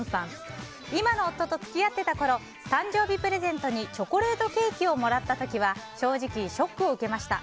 今の夫と付き合ってたころ誕生日プレゼントにチョコレートケーキをもらった時は正直ショックを受けました。